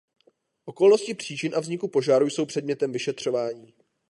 Okolnosti příčin a vzniku požáru jsou předmětem vyšetřování.